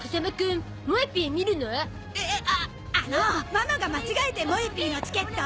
ママが間違えて『もえＰ』のチケットを。